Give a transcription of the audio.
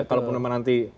kalau pun nanti